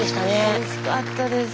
おいしかったです。